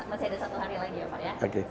masih ada satu hari lagi ya pak ya